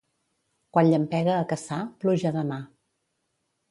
Quan llampega a Cassà, pluja demà.